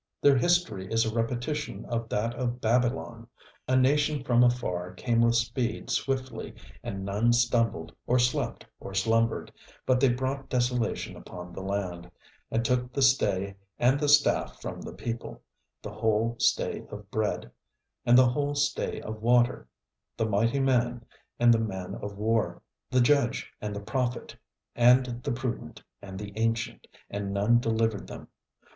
Their history is a repetition of that of Babylon. A nation from afar came with speed swiftly, and none stumbled, or slept, or slumbered, but they brought desolation upon the land, and took the stay and the staff from the people, the whole stay of bread, and the whole stay of water, the mighty man, and the man of war, the judge, and the prophet, and the prudent, and the ancient, and none delivered them.